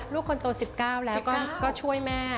ลูกคนโต๑๙แล้วก็ช่วยแม่